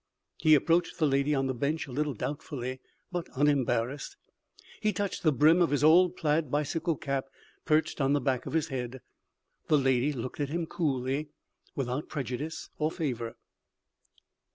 He approached the lady on the bench a little doubtfully, but unembarrassed. He touched the brim of the old plaid bicycle cap perched on the back of his head. The lady looked at him coolly, without prejudice or favour.